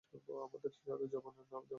আমাদের সাথে জরাবে না।